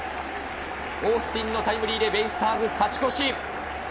オースティンのタイムリーでベイスターズ勝ち越し。